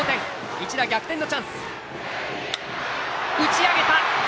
一打逆転のチャンス。